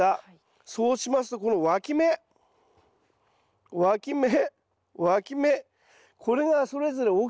そうしますとこのわき芽わき芽わき芽これがそれぞれ大きくなってくるんですよ。